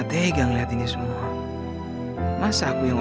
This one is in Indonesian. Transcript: kucing sama rusakan